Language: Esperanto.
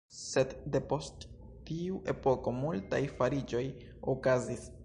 Sed depost tiu epoko multaj fariĝoj okazis.